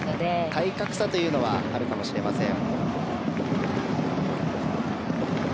体格差というのはあるかもしれません。